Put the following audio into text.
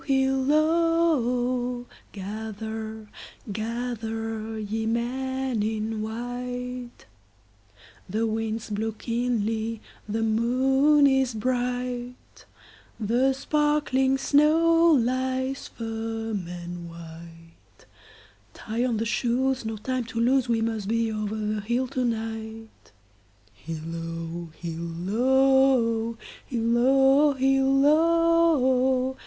Gather, gather, ye men in white; The winds blow keenly, the moon is bright, The sparkling snow lies firm and white; Tie on the shoes, no time to lose, We must be over the hill to night. Hilloo, hilloo, hilloo, hilloo!